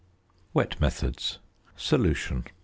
WET METHODS. _Solution.